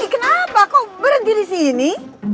eh ini kenapa kok berhenti di sini